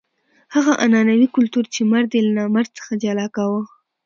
هغه عنعنوي کلتور چې مرد یې له نامرد څخه جلا کاوه.